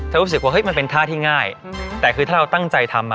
ถ้ารู้สึกว่าเฮ้ยมันเป็นท่าที่ง่ายแต่คือถ้าเราตั้งใจทำอ่ะ